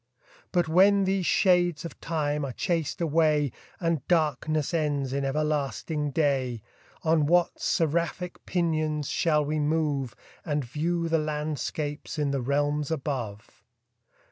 But when these shades of time are chas'd away, And darkness ends in everlasting day, On what seraphic pinions shall we move, And view the landscapes in the realms above?